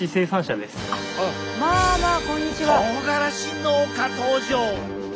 とうがらし農家登場！